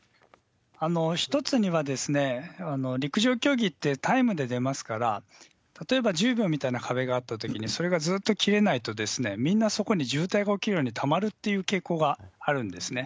１つには陸上競技ってタイムで出ますから、例えば１０秒みたいな壁があったときに、それがずーっと切れないと、みんなそこに渋滞が起きるようにたまるっていう傾向があるんですね。